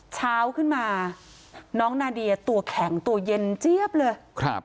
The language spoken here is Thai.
เช้าขึ้นมาน้องนาเดียตัวแข็งตัวเย็นเจี๊ยบเลยครับ